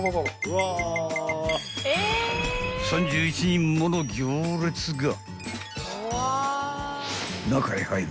［３１人もの行列が］